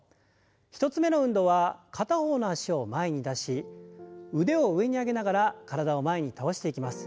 １つ目の運動は片方の脚を前に出し腕を上に上げながら体を前に倒していきます。